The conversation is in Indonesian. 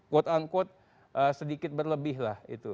quote unquote sedikit berlebih lah itu